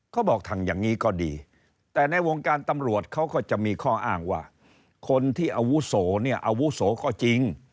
เขาบอกทำอย่างนี้ก็ดีแต่ในวงการตำรวจเขาก็จะมีข้ออ้างว่าคนที่อาวุโสเนี่ยอาวุโสก็จริง